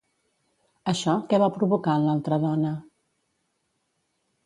Això què va provocar en l'altra dona?